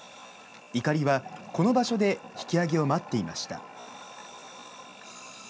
いかりはこの場所で引き揚げを待っていました。